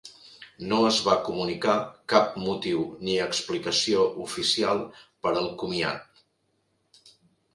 No es va comunicar cap motiu ni explicació oficial per al comiat.